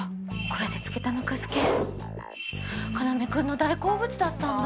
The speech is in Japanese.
これで漬けたぬか漬け要くんの大好物だったんだ。